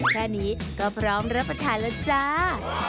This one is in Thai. แค่นี้ก็พร้อมรับประทานแล้วจ้า